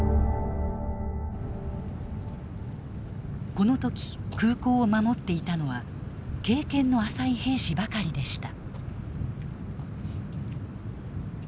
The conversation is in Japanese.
この時空港を守っていたのは経験の浅い兵士ばかりでした。